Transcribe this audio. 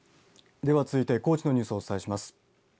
では続いて高知のニュースをお伝えします。